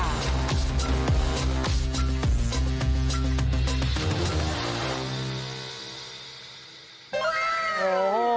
โอ้โห